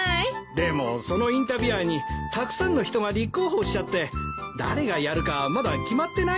でもそのインタビュアーにたくさんの人が立候補しちゃって誰がやるかまだ決まってないんですよ。